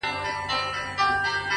• څنګ ته د میخورو به د بنګ خبري نه کوو,